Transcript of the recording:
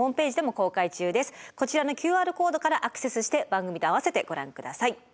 こちらのＱＲコードからアクセスして番組と併せてご覧ください。